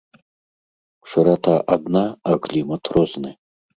Шырата адна, а клімат розны.